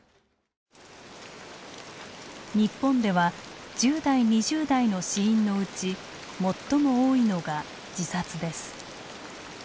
日本では１０代２０代の死因のうち最も多いのが自殺です。